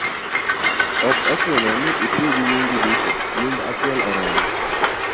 ok ochuno ni iti gi nyingi duto; nying achiel oromo.